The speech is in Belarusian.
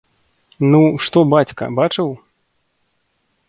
Ну, што бацька, бачыў?